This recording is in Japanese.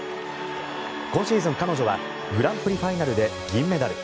今シーズン、彼女はグランプリファイナルで銀メダル